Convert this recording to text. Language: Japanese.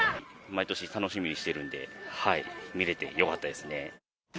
毎年楽しみにしているんで、見れてよかったですね。